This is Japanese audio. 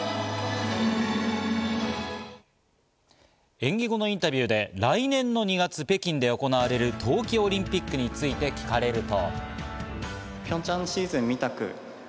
演技後のインタビューで来年２月、北京で行われる冬季オリンピックについて聞かれると。